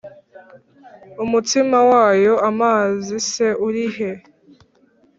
Umutsima w'ayo mazi se uri he?"